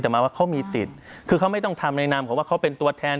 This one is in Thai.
แต่มาว่าเขามีสิทธิ์คือเขาไม่ต้องทำในนามเขาว่าเขาเป็นตัวแทน